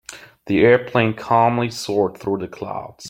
The airplane calmly soared through the clouds.